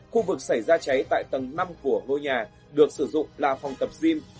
khu vực xảy ra cháy tại tầng năm của ngôi nhà được sử dụng là phòng tập gym